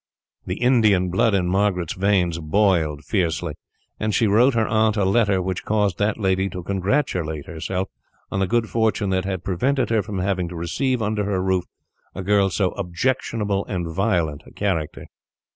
The Indian blood in Margaret's veins boiled fiercely, and she wrote her aunt a letter which caused that lady to congratulate herself on the good fortune that had prevented her from having to receive, under her roof, a girl of so objectionable and violent a character.